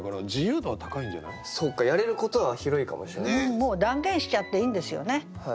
もう断言しちゃっていいんですよね。